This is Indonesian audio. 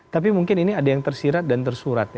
tapi mungkin ini ada yang tersirat dan tersurat